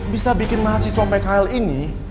bisa bikin mahasiswa pek l ini